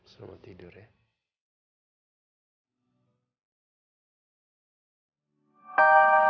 sama tidur ya